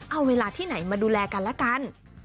เอาเวลาที่ไหนมาดูแลกันและกัน